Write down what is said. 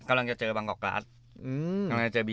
กำลังจะเจอบางกอแกรสอืม